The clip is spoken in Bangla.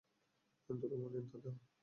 ধুলো-মলিন তাঁর দেহ।